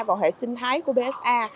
vào hệ sinh thái của bsa